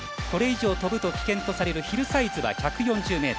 これ以上、飛ぶと危険とされるヒルサイズは１４０ｍ。